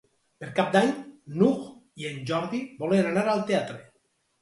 Per Cap d'Any n'Hug i en Jordi volen anar al teatre.